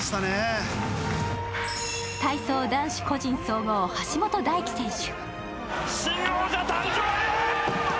体操男子個人総合橋本大輝選手。